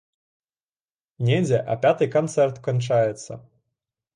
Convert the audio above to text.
Недзе а пятай канцэрт канчаецца.